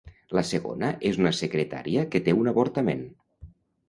La segona és una secretària que té un avortament.